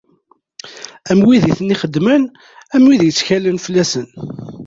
Am wid i ten-ixedmen, am wid yettkalen fell-asen.